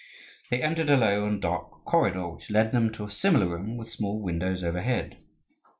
They entered a low and dark corridor, which led them to a similar room with small windows overhead.